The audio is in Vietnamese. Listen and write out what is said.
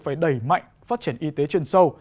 phải đẩy mạnh phát triển y tế trên sâu